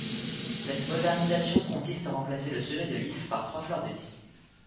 Cette modernisation consiste à remplacer le semé de lys par trois fleurs de lys.